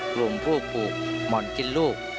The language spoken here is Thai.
กลุ่มผู้ปลูกหม่อนกินลูก